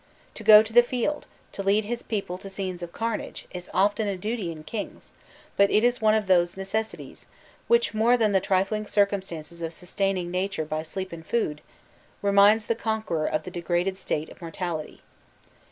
TO go to the field, to lead his people to scenes of carnage, is often a duty in kings; but it is one of those necessities, which, more than the trifling circumstances of sustaining nature by sleep and food, reminds the conqueror of the degraded state of mortality.